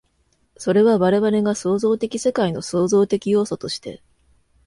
それは我々が創造的世界の創造的要素として、